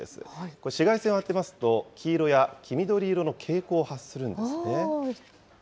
これ、紫外線を当てますと、黄色や黄緑色の蛍光を発するんですね。